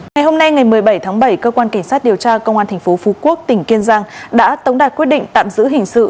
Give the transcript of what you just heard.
ngày hôm nay ngày một mươi bảy tháng bảy cơ quan cảnh sát điều tra công an tp phú quốc tỉnh kiên giang đã tống đạt quyết định tạm giữ hình sự